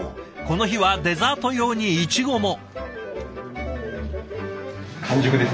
この日はデザート用にいちごも。